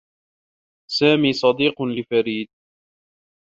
سامي صديق لفريد.